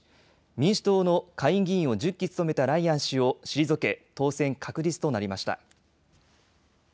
民主党の下院議員を１０期務めたライアン氏を退け当選確実となりました。